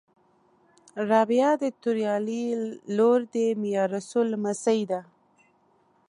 رابعه د توریالي لور د میارسول لمسۍ ده